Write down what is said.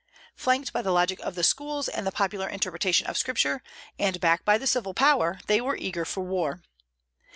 Flanked by the logic of the schools and the popular interpretation of Scripture, and backed by the civil power, they were eager for war.